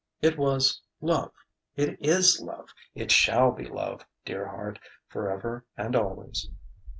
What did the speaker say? "It was love. It is love. It shall be love, dear heart, forever and always...."